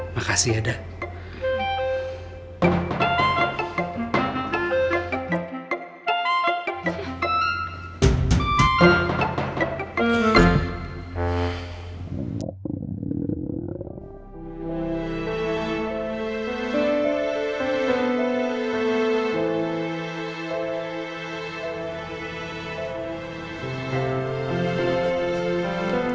makasih ya dada